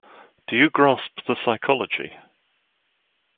Do you grasp the psychology?